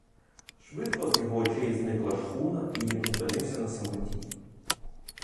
Швидко з його очей зникла шхуна, і він опинився на самоті.